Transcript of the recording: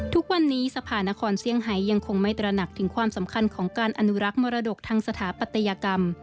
ทุกวันนี้สภานครเซี่ยงไฮยังคงไม่ตระหนักถึงความสำคัญของการอนุรักษ์มรดกทางสถาปัตยกรรม